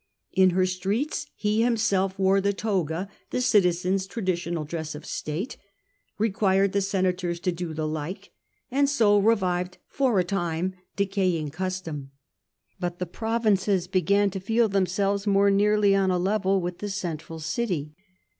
In her streets he himself wore the toga, the citizen^s traditional dress of state, required the senators to do the like, and so revived for a time decaying custom. But the provinces began to feel themselves more nearly on a level with the central city.